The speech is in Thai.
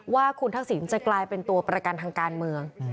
ว่าคุณทักษิณจะกลายเป็นตัวประกันทางการเมือง